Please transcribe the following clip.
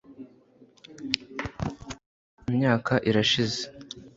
Imyaka irashize